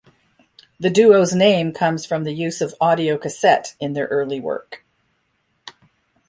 The duo's name comes from the use of audio cassette in their early work.